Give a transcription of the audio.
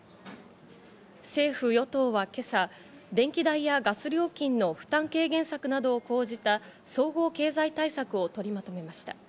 政府・与党は今朝、電気代やガス料金の負担軽減策などを講じた総合経済対策を取りまとめました。